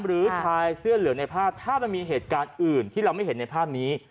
หรือชายเสื้อเหลืองในภาพถ้ามันมีเหตุการณ์อื่นที่เราไม่เห็นในภาพนี้